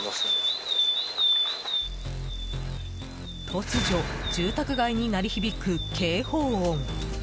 突如、住宅街に鳴り響く警報音。